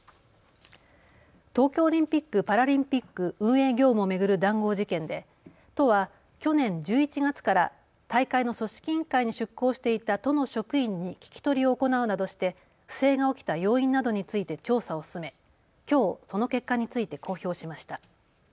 東京オリンピック・パラリンピック運営業務を巡る談合事件で都は去年１１月から大会の組織委員会に出向していた都の職員に聞き取りを行うなどして不正が起きた要因などについて調査を進めきょうその結果について公表しました。